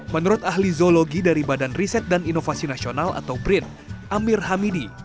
menurut ahli zoologi dari badan riset dan inovasi nasional atau brin amir hamidi